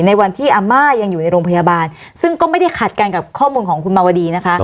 ในวันที่อาม่ายังอยู่ในโรงพยาบาลซึ่งก็ไม่ได้ขัดกันกับข้อมูลของคุณมาวดีนะคะ